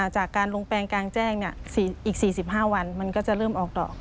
จากการลงแปลงกลางแจ้งอีก๔๕วันมันก็จะเริ่มออกดอก